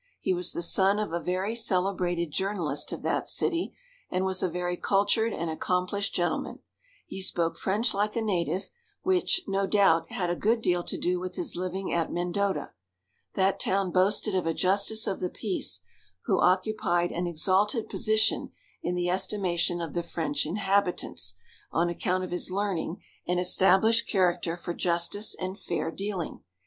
He was the son of a very celebrated journalist of that city, and was a very cultured and accomplished gentleman. He spoke French like a native, which, no doubt, had a good deal to do with his living at Mendota. That town boasted of a justice of the peace, who occupied an exalted position in the estimation of the French inhabitants, on account of his learning and established character for justice and fair dealing.